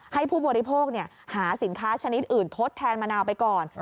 ผู้บริโภคหาสินค้าชนิดอื่นทดแทนมะนาวไปก่อน